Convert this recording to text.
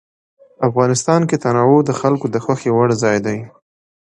افغانستان کې تنوع د خلکو د خوښې وړ ځای دی.